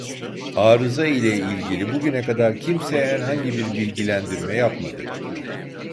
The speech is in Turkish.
Arıza ile ilgili bugüne kadar kimse herhangi bir bilgilendirme yapmadı